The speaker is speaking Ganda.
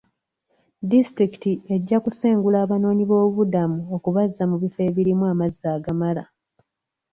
Disitulikiti ejja kusengula abanoonyi b'obubuddamu okubazza mu bifo ebirimu amazzi agamala.